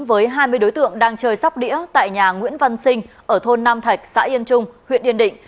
với hai mươi đối tượng đang chơi sóc đĩa tại nhà nguyễn văn sinh ở thôn nam thạch xã yên trung huyện yên định